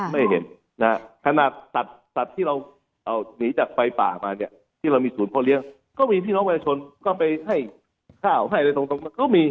ไม่เห็นนะฮะขนาดสัตว์สัตว์ที่เราหนีจากไฟป่ามาเนี่ยที่เรามีศูนย์พ่อเลี้ยงก็มีพี่น้องประชาชนก็ไปให้ข้าวให้อะไรตรงนั้นก็มี